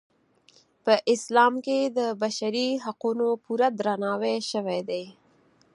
په اسلام کې د بشري حقونو پوره درناوی شوی دی.